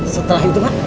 setelah itu pak